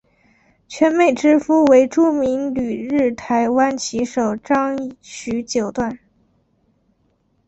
泉美之夫为著名旅日台湾棋手张栩九段。